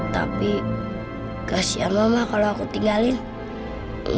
tapi kasihan mama kalau aku tinggalin